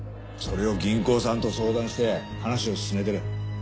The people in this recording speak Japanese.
それを銀行さんと相談して話を進めてる。